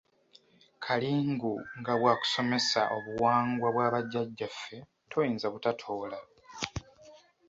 Kalingu nga bw’akusomesa obuwangwa bwa bajjajjaffe toyinza butatoola.